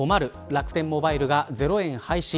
楽天モバイルが０円廃止